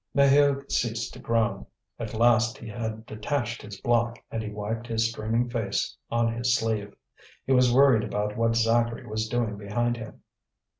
Maheu ceased to groan. At last he had detached his block, and he wiped his streaming face on his sleeve. He was worried about what Zacharie was doing behind him.